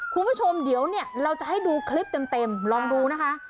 คุณผู้ชมเดี๋ยวเนี่ยเราจะให้ดูคลิปเต็มลองดูนะคะ